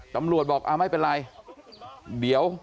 ตำรวจบอกไม่เป็นไร